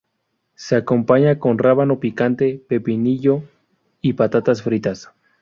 Se acompaña con rábano picante, pepinillo y patatas fritas.